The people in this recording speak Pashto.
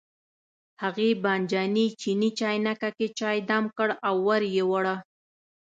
هغې بانجاني چیني چاینکه کې چای دم کړ او ور یې وړ.